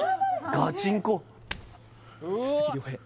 ガチンコ鈴木亮平